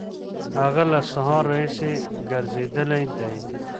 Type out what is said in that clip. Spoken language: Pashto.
هغه له سهاره راهیسې ګرځېدلی دی.